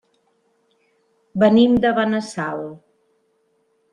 Venim de Benassal.